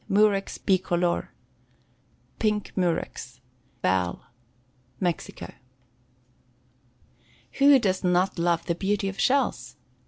Murex Bicolor. Pink Murex. Val. Mexico. Who does not love the beauty of shells?